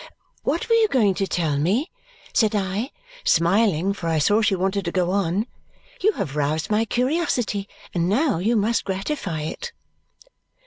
"What were you going to tell me?" said I, smiling, for I saw she wanted to go on. "You have roused my curiosity, and now you must gratify it."